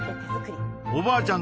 おばあちゃん